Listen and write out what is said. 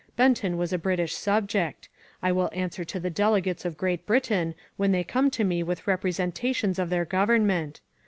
Benton was a British subject. I will answer to the delegates of Great Britain when they come to me with representations of their govern ment.